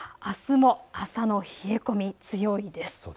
あすも朝の冷え込み、強いんです。